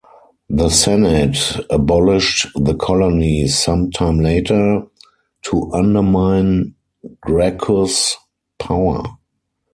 The Senate abolished the colony some time later, to undermine Gracchus' power.